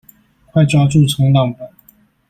快抓住衝浪板